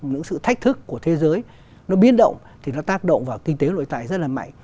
những sự thách thức của thế giới nó biến động thì nó tác động vào kinh tế nội tại rất là mạnh